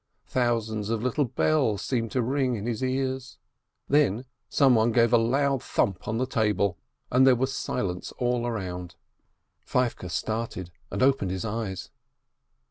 Thousands of little bells seemed to ring in his ears. Then some one gave a loud thump on the table, and there was silence all around. Feivke started and opened his eyes.